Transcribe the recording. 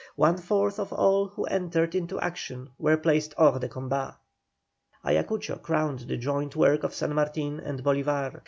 One fourth of all who entered into action were placed hors de combat. Ayacucho crowned the joint work of San Martin and Bolívar.